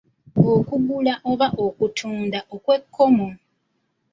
Okugula oba okutunda okw'ekkomo.